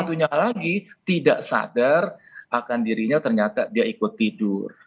satunya lagi tidak sadar akan dirinya ternyata dia ikut tidur